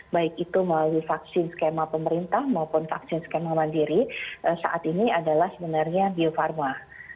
baik itu melalui vaksin skema pemerintah maupun vaksin skema mandiri saat ini adalah sebenarnya bio farma